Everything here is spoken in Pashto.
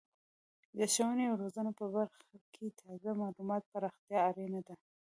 د ښوونې او روزنې په برخه کې د تازه معلوماتو پراختیا اړینه ده.